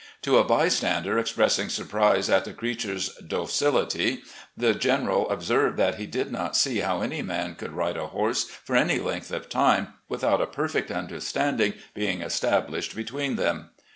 To a bystander expressing surprise at the creature's docility the General observed that he did not see how any man could ride a horse for any length of time without a perfect understanding being established between them.